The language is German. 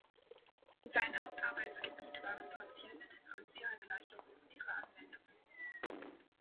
Sein Hauptarbeitsgebiet waren partielle Differentialgleichungen und ihre Anwendungen.